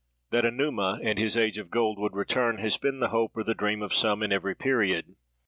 "That a Numa, and his age of gold, would return, has been the hope or the dream of some, in every period.